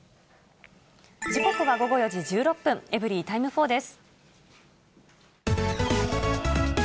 時刻は午後４時１６分、エブリィタイム４です。